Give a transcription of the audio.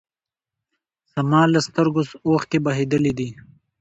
زما له سترګو اوښکې بهېدلي دي